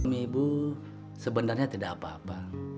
ibu sebenarnya tidak apa apa